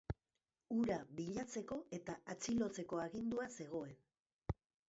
Hura bilatzeko eta atxilotzeko agindua zegoen.